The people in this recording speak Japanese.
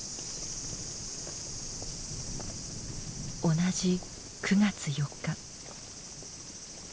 同じ９月４日。